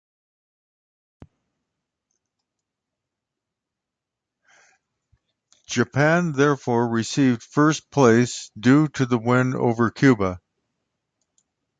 Japan therefore received first place due to the win over Cuba.